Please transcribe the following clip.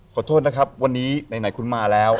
ขอโทษนะครับวันนี้ไหนคุณมาแล้ว